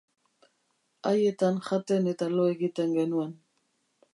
Haietan jaten eta lo egiten genuen.